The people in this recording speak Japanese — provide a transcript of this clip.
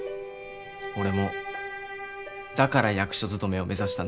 俺もだから役所勤めを目指したんです。